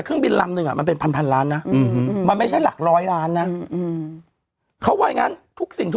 การจัดวาง